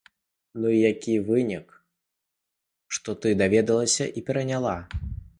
Ну і які вынік, што ты даведалася і пераняла?